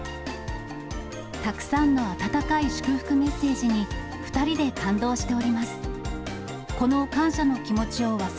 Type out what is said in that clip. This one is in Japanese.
たくさんの温かい祝福メッセージに、２人で感動しております。